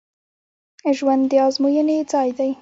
ژوند د ازموینې ځای دی